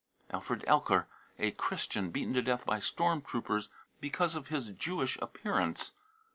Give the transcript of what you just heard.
Alfred elker, a Christian, beaten to death by storm troopers because of his Jewish appearance.